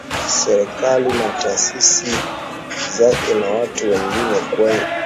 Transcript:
serikali na Taasisi zake na watu wengine wenye